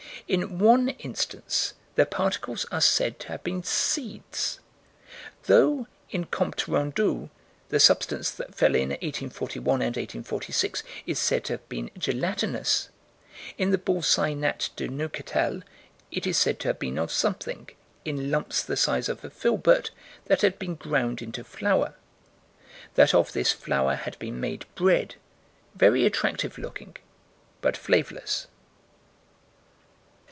In one instance the particles are said to have been "seeds." Though, in Comptes Rendus, the substance that fell in 1841 and 1846 is said to have been gelatinous, in the Bull. Sci. Nat. de Neuchatel, it is said to have been of something, in lumps the size of a filbert, that had been ground into flour; that of this flour had been made bread, very attractive looking, but flavorless.